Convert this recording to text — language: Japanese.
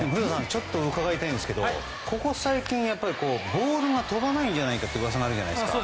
ちょっと伺いたいんですけどここ最近はボールが飛ばないんじゃないかといううわさがあるじゃないですか。